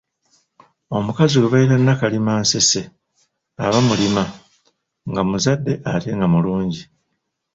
Omukazi gwe bayita Nakalima nseese aba mulima, nga muzadde ate nga mulungi.